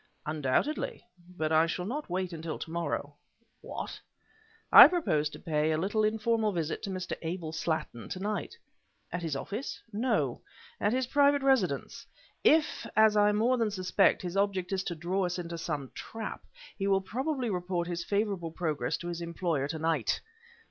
"Undoubtedly. But I shall not wait until tomorrow." "What!" "I propose to pay a little informal visit to Mr. Abel Slattin, to night." "At his office?" "No; at his private residence. If, as I more than suspect, his object is to draw us into some trap, he will probably report his favorable progress to his employer to night!"